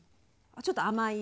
ちょっと甘い。